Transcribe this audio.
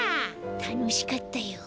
たのしかったよ。